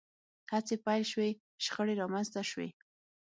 هڅې پیل شوې شخړې رامنځته شوې